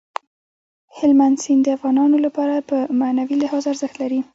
هلمند سیند د افغانانو لپاره په معنوي لحاظ ارزښت لري.